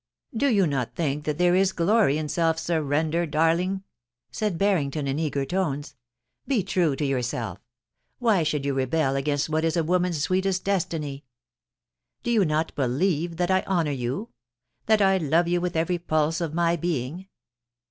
* Do you not think that there is glory in self surrender ? Darling !' said Barrington, in eager tones. * Be true to your self Why should you rebel against what is a woman's sweetest destiny ? Do you not believe that I honour you ? that I love you with every pulse of my being